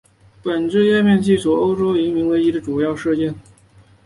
本页面记叙欧洲移民危机的主要事件。